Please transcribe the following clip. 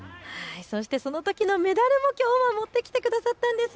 そしてそのときのメダルもきょう持ってきてくださったんです。